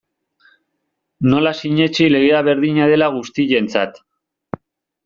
Nola sinetsi legea berdina dela guztientzat?